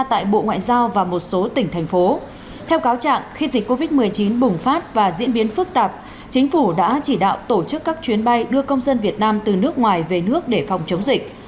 trong năm hai nghìn một mươi chín bùng phát và diễn biến phức tạp chính phủ đã chỉ đạo tổ chức các chuyến bay đưa công dân việt nam từ nước ngoài về nước để phòng chống dịch